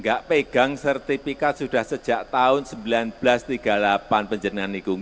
enggak pegang sertifikat sudah sejak tahun seribu sembilan ratus tiga puluh delapan penjernaan lingkungan